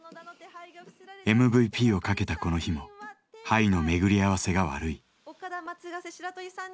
ＭＶＰをかけたこの日も牌の巡り合わせが悪い。